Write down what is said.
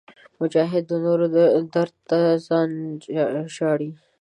مجاهد د نورو درد ته ځان ژاړي.